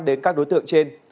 đến các đối tượng trên